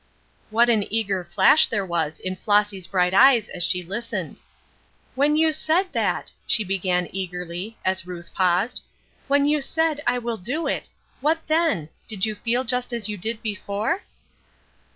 What an eager flash there was in Flossy's bright eyes as she listened. "When you said that!" she began, eagerly, as Ruth paused. "When you said, 'I will do it.' What then? Did you feel just as you did before?"